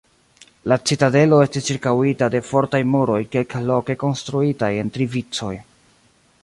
La citadelo estis ĉirkaŭita de fortaj muroj kelkloke konstruitaj en tri vicoj.